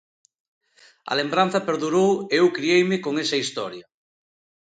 A lembranza perdurou e eu crieime con esa historia.